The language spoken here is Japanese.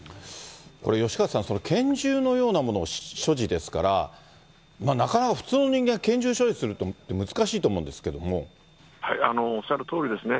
吉川さん、拳銃のようなものを所持ですから、なかなか普通の人間は拳銃所持するって、難しいと思うんですけどおっしゃるとおりですね。